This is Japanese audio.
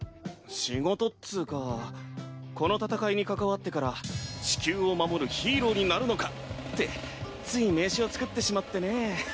仕事っつぅかこの戦いに関わってから「地球を守るヒーローになるのか！」ってつい名刺を作ってしまってねぇ。